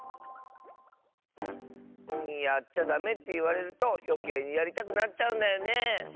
やっちゃダメっていわれるとよけいにやりたくなっちゃうんだよねえ。